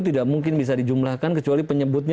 tidak mungkin bisa dijumlahkan kecuali penyebutnya